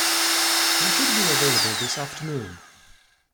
I should be available this afternoon